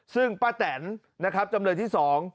ซึ่งป้าแตนนะครับจำเลยที่สอง